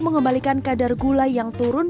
mengembalikan kadar gula yang turun